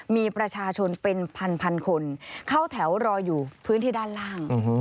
มีประชาชนเป็นพันคนเข้าแถวรออยู่พื้นที่ด้านล่าง